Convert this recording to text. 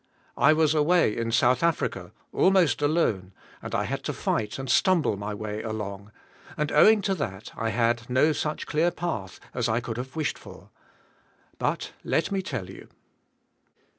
I was away in South Africa, almost alone, and I had to fig ht and stumble my way along*, and owing" to that I had no such clear path as I could have wished for; but let me tell you.